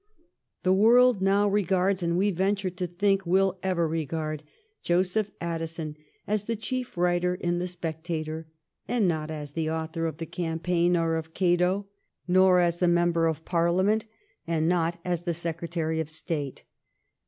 The world now regards, and we venture to think will ever regard, Joseph Addison as the chief writer in ' The Spectator/ and not as the author of ' The Campaign ' or of ' Cato '; not as the member 1711 KIOHAilD STEELE. 169 of Parliament ; and not as the Secretary of State.